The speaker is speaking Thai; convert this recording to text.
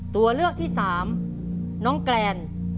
ตัวเลือกที่สามน้องแกรน